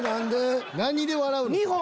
何で笑うの？